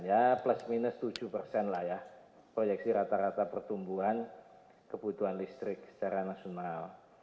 ya plus minus tujuh persen lah ya proyeksi rata rata pertumbuhan kebutuhan listrik secara nasional